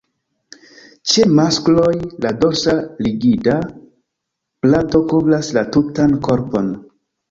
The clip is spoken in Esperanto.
Ĉe maskloj, la dorsa rigida plato kovras la tutan korpon.